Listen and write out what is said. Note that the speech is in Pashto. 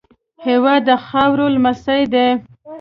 هېواد د خاورې لمس دی.